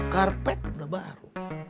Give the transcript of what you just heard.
karpet udah baru